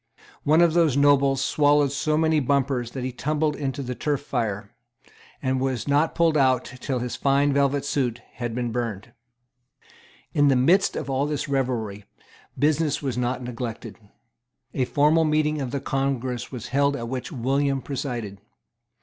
One of those nobles swallowed so many bumpers that he tumbled into the turf fire, and was not pulled out till his fine velvet suit had been burned. In the midst of all this revelry, business was not neglected. A formal meeting of the Congress was held at which William presided.